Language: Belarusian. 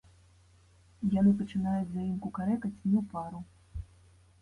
Яны пачынаюць за ім кукарэкаць не ў пару.